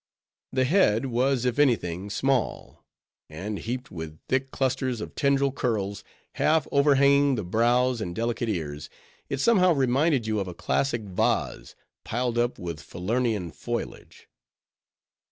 The head was if any thing small; and heaped with thick clusters of tendril curls, half overhanging the brows and delicate ears, it somehow reminded you of a classic vase, piled up with Falernian foliage.